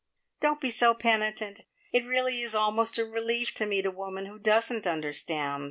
"Don't be so penitent! It is really almost a relief to meet a woman who doesn't understand.